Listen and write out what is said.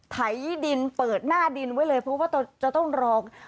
ไถดินเปิดหน้าดินไว้เลยเพราะว่าจะต้องรอง